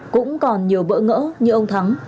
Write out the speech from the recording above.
cũng còn nhiều bỡ ngỡ như ông thắng